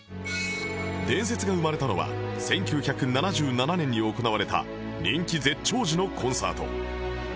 伝説が生まれたのは１９７７年に行われた人気絶頂時のコンサート